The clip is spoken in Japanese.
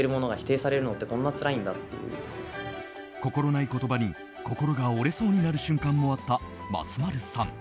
心無い言葉に心が折れそうになる瞬間もあった松丸さん。